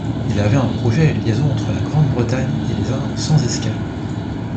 Il avait en projet une liaison entre la Grande-Bretagne et les Indes sans escale.